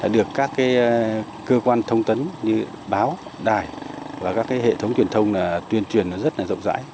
được các cơ quan thông tấn như báo đài và các hệ thống truyền thông tuyên truyền rất là rộng rãi